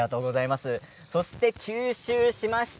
そして吸収しました。